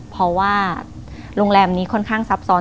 เพราะว่าโรงแรมนี้ค่อนข้างซับซ้อน